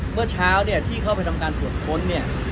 เมื่อเช้าเนี่ยที่เข้าไปทำการตรวจค้นเนี่ย